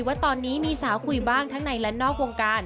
ว่าตอนนี้มีสาวคุยบ้างทั้งในและนอกวงการ